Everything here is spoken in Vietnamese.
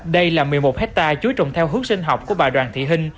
đây là một mươi một hectare chuối trồng theo hướng sinh học của bà đoàn thị hinh